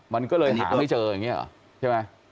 มันก็เลยหาไม่เจออ่ะใช่ไหม